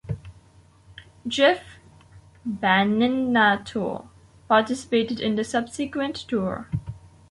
Jeff Beninato participated in the subsequent tour.